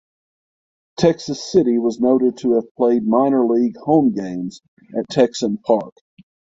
Texas City was noted to have played minor league home games at Texan Park.